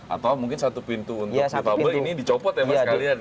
atau mungkin satu pintu untuk dipabel ini dicopot ya mas kalian ya